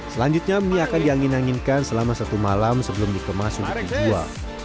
selanjutnya mie akan diangin anginkan selama satu malam sebelum dikemas untuk dijual